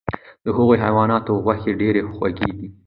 د هغو حیواناتو غوښې ډیرې خوږې دي،